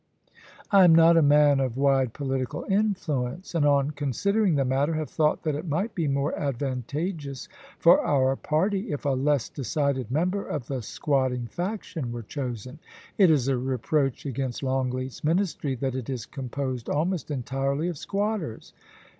* I am not a man of wide political influence, and, on considering the matter, have thought that it might be more advantageous for our party if a less decided member of the squatting faction were chosen. It is a reproach against Longleat's Ministry that it is composed almost entirely of squatters.